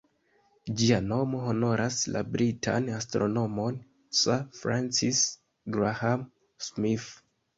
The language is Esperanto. Ĝia nomo honoras la britan astronomon Sir Francis Graham-Smith.